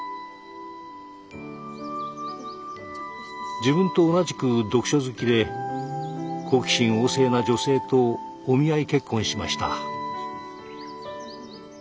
自分と同じく読書好きで好奇心旺盛な女性とお見合い結婚しました。